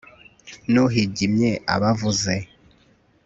nuhigimye aba avuze